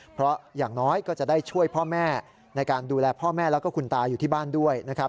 เพราะอย่างน้อยก็จะได้ช่วยพ่อแม่ในการดูแลพ่อแม่แล้วก็คุณตาอยู่ที่บ้านด้วยนะครับ